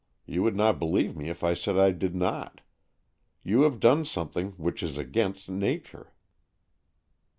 You would not believe me if I said I did not. You have done something which is against Nature."